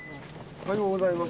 おはようございます。